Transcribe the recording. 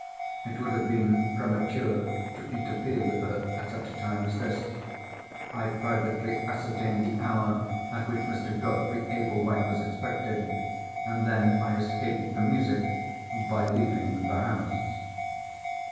It would have been premature to interfere with her at such a time as this. I privately ascertained the hour at which Mr. Godfrey Ablewhite was expected, and then I escaped the music by leaving the house.